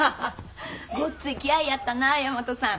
ごっつい気合いやったな大和さん。